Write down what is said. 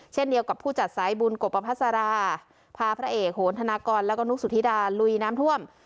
เช่นเดียวกับผู้จัดสายบุญกบประพัสราพาพระเอกโหนธนากรแล้วก็นุกสุธิดาลุยน้ำท่วม